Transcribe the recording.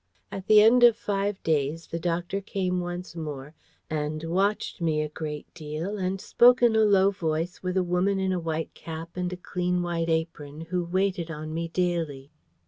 At the end of five days, the doctor came once more, and watched me a great deal, and spoke in a low voice with a woman in a white cap and a clean white apron who waited on me daily.